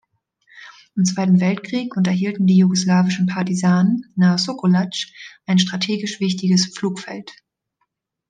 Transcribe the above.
Im Zweiten Weltkrieg unterhielten die jugoslawischen Partisanen nahe Sokolac ein strategisch wichtiges Flugfeld.